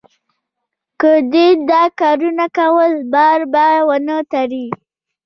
که دې دا کارونه کول؛ بار به و نه تړې.